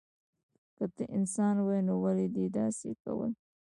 که ته انسان وای نو ولی دی داسی کول